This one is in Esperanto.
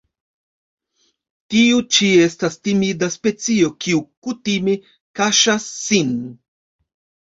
Tiu ĉi estas timida specio kiu kutime kaŝas sin.